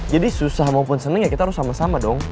jadi susah maupun seneng ya kita harus sama sama dong